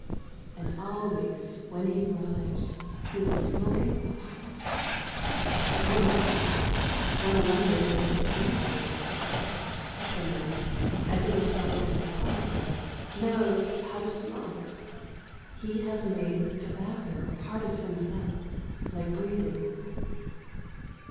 And always, when he arrives, he is smoking a pipe. As one watches him, one wonders if anybody except a fisherman, as he looks out over the harbour, knows how to smoke. He has made tobacco part of himself, like breathing.